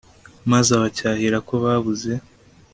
maze abacyahira ko babuze